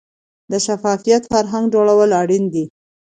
د شفافیت فرهنګ جوړول اړین دي